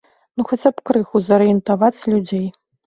Ну хаця б крыху зарыентаваць людзей.